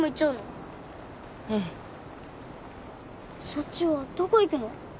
そっちはどこ行くの？